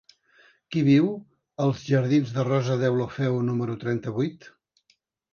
Qui viu als jardins de Rosa Deulofeu número trenta-vuit?